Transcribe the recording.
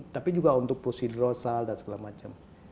tapi juga untuk posidrosal dan segala macam